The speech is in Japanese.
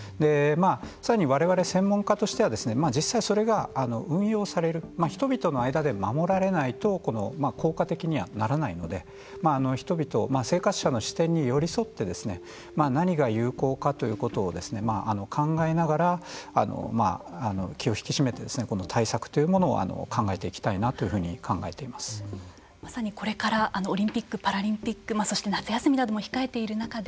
さらにわれわれ専門家としては実際それが運用される人々の間で守られないと効果的にはならないので人々、生活者の視点に寄り添って何が有効かということを考えながら気を引き締めて対策というものを考えていきたいなというふうにまさにこれからオリンピック・パラリンピックそして夏休みなども控えている中で